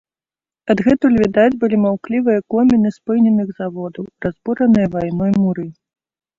Адгэтуль відаць былі маўклівыя коміны спыненых заводаў, разбураныя вайной муры.